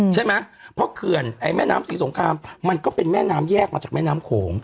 ใช่ไหมเพราะเขื่อนไอ้แม่น้ำศรีสงครามมันก็เป็นแม่น้ำแยกมาจากแม่น้ำโขง